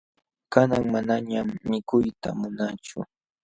Kanan manañam mikuyta munaachu.